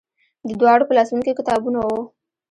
د دواړو په لاسونو کې کتابونه وو.